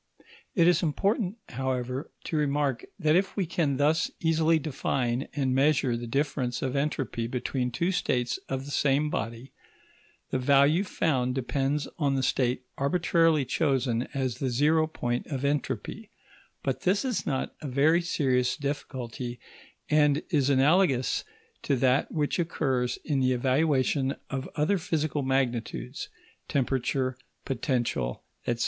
It is important, however, to remark that if we can thus easily define and measure the difference of entropy between two states of the same body, the value found depends on the state arbitrarily chosen as the zero point of entropy; but this is not a very serious difficulty, and is analogous to that which occurs in the evaluation of other physical magnitudes temperature, potential, etc.